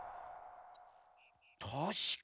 たしか。